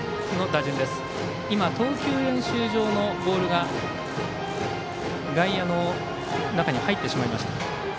投球練習場のボールが外野の中に入ってしまいました。